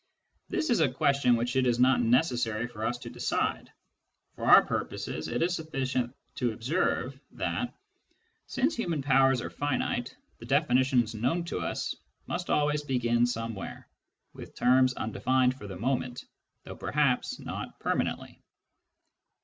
This is a question which it is not necessary for us to decide ; for our purposes it is sufficient to observe that, since human powers are finite, the definitions known to us must always begin some where, with terms undefined for the moment, though perhaps not permanently.